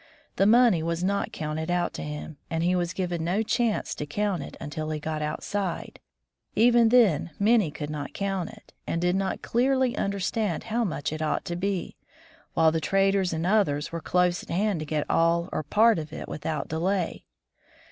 The money was not counted out to him, and he was given no chance to count it until he got outside. Even then, many could not 128 War toith the Politicians count it, and did not clearly understand how much it ought to be, while the traders and others were close at hand to get all or part of it without delay.